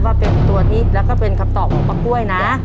ว่าเป็นตัวนี้แล้วก็เป็นคำตอบของป้ากล้วยนะ